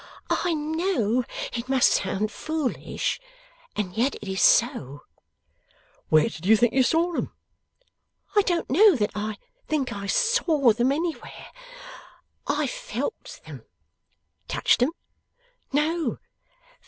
'I know it must sound foolish, and yet it is so.' 'Where did you think you saw them?' 'I don't know that I think I saw them anywhere. I felt them.' 'Touched them?' 'No.